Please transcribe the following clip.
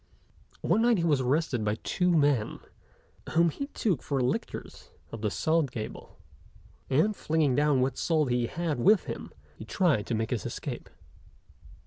One night he was arrested by two men, whom he took for lictors of the Salt Gabelle; and, flinging down what salt he had with him, he tried to make his escape.